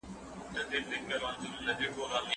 اوس د بل كور دي مېرمني